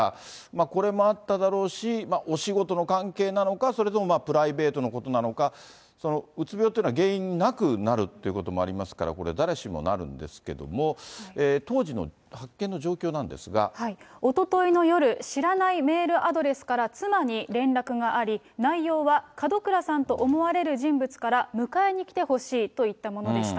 これもあっただろうし、お仕事の関係なのか、それともプライベートなことなのか、うつ病っていうのは原因なくなるってこともありますから、これ、誰しもなるんですけども、当時の、おとといの夜、知らないメールアドレスから妻に連絡があり、内容は門倉さんと思われる人物から、迎えに来てほしいといったものでした。